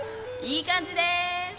いい感じです。